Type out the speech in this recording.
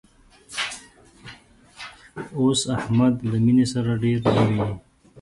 اوس احمد له مینې سره ډېر نه ویني